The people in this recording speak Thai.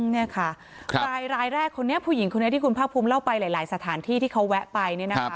นี่ค่ะรายแรกคนนี้ผู้หญิงคนนี้ที่คุณภาคภูมิเล่าไปหลายสถานที่ที่เขาแวะไป